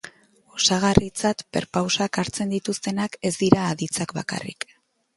Osagarritzat perpausak hartzen dituztenak ez dira aditzak bakarrik.